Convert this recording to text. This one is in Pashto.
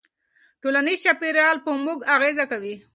ټولنیز چاپېریال په موږ اغېزه کوي.